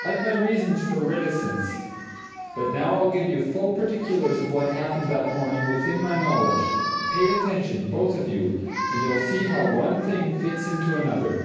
I'd my reasons for reticence. But now I'll give you full particulars of what happened that morning within my knowledge pay attention, both of you, and you'll see how one thing fits into another.